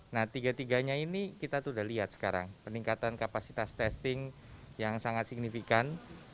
nah tiga tiganya ini kita sudah lihat sekarang peningkatan kapasitas testing yang sangat signifikan